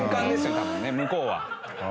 多分ね向こうは。